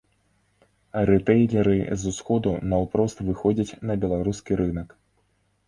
Рытэйлеры з усходу наўпрост выходзяць на беларускі рынак.